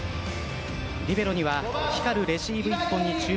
リベロには光るレシーブ１本に注目